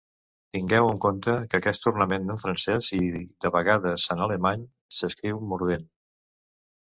Tingueu en compte que aquest ornament en francès i, de vegades, en alemany, s'escriu "mordent".